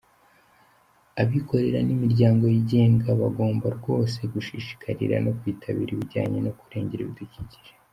Abikorera n’imiryango yigenga bagomba rwose gushishikarira no kwitabira ibijyanye no kurengera ibidukikije.